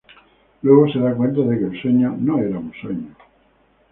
Luego, se da cuenta de que el sueño no era un sueño.